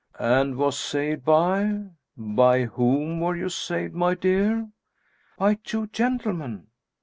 "And was saved by by whom were you saved, my dear?" "By two gentlemen."